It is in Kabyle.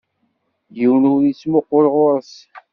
Yiwen ur ittmuqqul ɣuṛ-s.